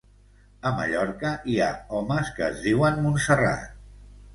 A Mallorca hi ha homes que es diuen Montserrat